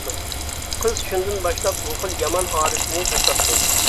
قىز شۇندىن باشلاپ بۇ خىل يامان ئادىتىنى تاشلاپتۇ.